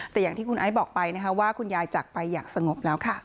แต่อย่างที่คุณไอซ์บอกไปนะคะว่าคุณยายจากไปอย่างสงบแล้วค่ะ